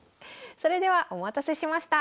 それではお待たせしました。